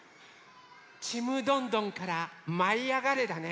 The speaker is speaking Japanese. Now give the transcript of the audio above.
ちむどんどんからまいあがれだね。